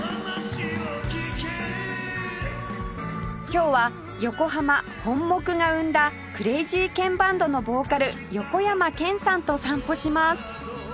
今日は横浜本牧が生んだクレイジーケンバンドのボーカル横山剣さんと散歩します